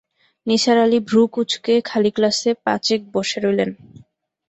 নিসার আলি ভ্রকুঁচকে খালি ক্লাসে পাঁচেক বসে রইলেন।